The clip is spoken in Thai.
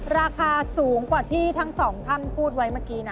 ราคาสูงกว่าที่ทั้งสองท่านพูดไว้เมื่อกี้นะ